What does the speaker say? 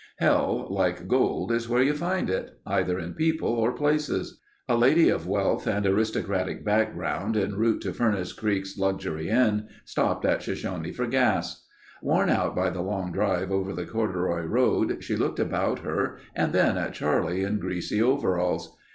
Hell, like gold, is where you find it—either in people or places. A lady of wealth and aristocratic background in route to Furnace Creek's luxury inn, stopped at Shoshone for gas. Worn out by the long drive over the corduroy road, she looked about her and then at Charlie in greasy overalls.